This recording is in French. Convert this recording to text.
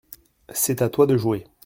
C’est à toi de jouer.